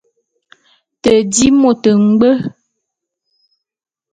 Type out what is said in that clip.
Te di môt ngbwe.